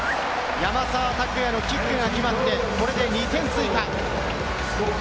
山沢拓也のキックが決まって２点追加。